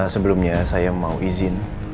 sebelumnya saya mau izin